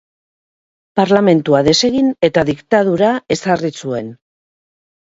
Parlamentua desegin eta diktadura ezarri zuen.